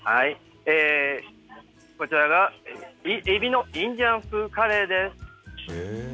こちらが、エビのインディアン風カレーです。